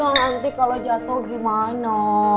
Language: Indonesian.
nanti kalau jatuh gimana